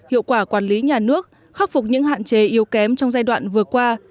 hiệu quả quản lý nhà nước khắc phục những hạn chế yếu kém trong giai đoạn vừa qua